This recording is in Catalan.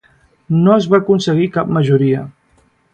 No es va aconseguir cap majoria.